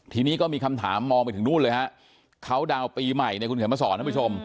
ทีนี้ก็มีคำถามมองไปถึงนู่นเลยฮะเขาดาวน์ปีใหม่เนี่ยคุณเขียนมาสอนท่านผู้ชม